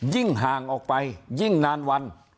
ยิ่งห่างออกไปยิ่งนานวัน